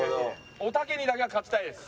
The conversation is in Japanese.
おたけにだけは勝ちたいです。